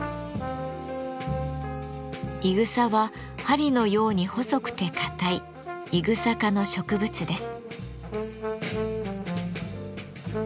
いぐさは針のように細くて硬いイグサ科の植物です。